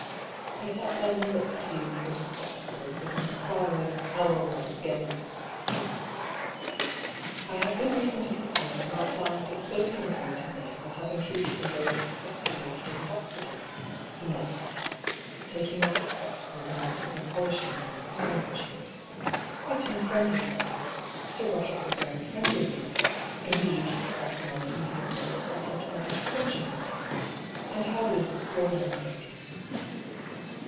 He sat down and looked at Hugh through his spec tacles with an inquiring, owl like gaze. " I have good reason to suppose that my client has spoken of you to me as having treated him very success fully after his accident," he next said, taking off his spectacles and absently polishing them with his hand kerchief. " Quite in a friendly way — Sir Roderick was very friendly with us; indeed he has often honoured Mrs. Moffatt by taking a bit of luncheon with us. And how is the poor young lady